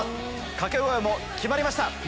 掛け声も決まりました！